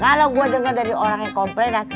kalo gue denger dari orang yang komplainan